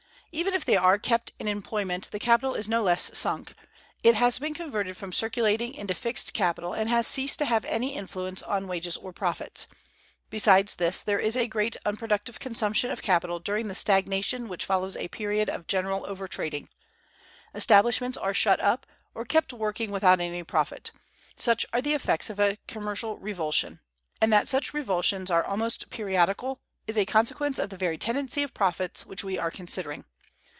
Even if they are kept in employment, the capital is no less sunk; it has been converted from circulating into fixed capital, and has ceased to have any influence on wages or profits. Besides this, there is a great unproductive consumption of capital during the stagnation which follows a period of general overtrading. Establishments are shut up, or kept working without any profit. Such are the effects of a commercial revulsion; and that such revulsions are almost periodical is a consequence of the very tendency of profits which we are considering.